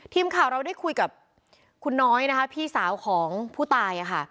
ทีมข่าวเราได้คุยกับคุณน้อยนะคะพี่สาวของผู้ตายค่ะ